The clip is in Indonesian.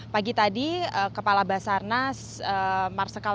pagi tadi kepala basarnas mengatakan bahwa